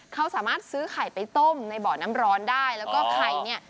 เขาสามารถซื้อไข่ไปต้มในเบาะน้ำร้อนได้แล้วก็ไข่เนี่ย